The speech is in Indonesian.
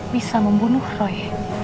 bisa membunuh roy